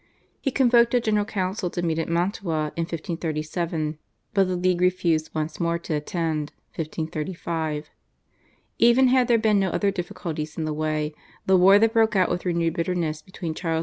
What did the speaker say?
He convoked a General Council to meet at Mantua in 1537, but the League refused once more to attend (1535). Even had there been no other difficulties in the way, the war that broke out with renewed bitterness between Charles V.